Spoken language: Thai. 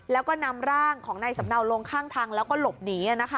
แล้วก็นำร่างของนายสำเนาลงข้างทางแล้วก็หลบหนี